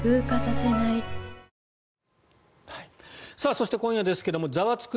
そして今夜ですが「ザワつく！